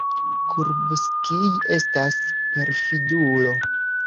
Kurbskij estas perfidulo.